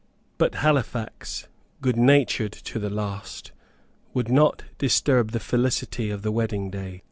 But Halifax, good natured to the last, would not disturb the felicity of the wedding day.